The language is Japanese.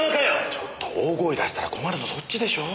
ちょっと大声出したら困るのそっちでしょ。